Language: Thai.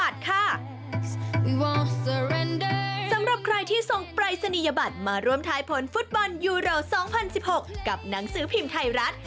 สำหรับใครที่ส่งปรายศนียบัตรมาร่วมทายผลฟุตบอลยูโร๒๐๑๖กับหนังสือพิมพ์ไทยรัฐ